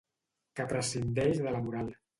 Que prescindeix de la moral.